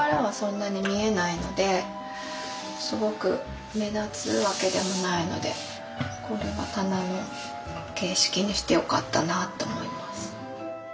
すごく目立つわけでもないのでこれは棚の形式にしてよかったなと思います。